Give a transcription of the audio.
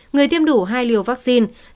người tiêm đủ hai liều vaccine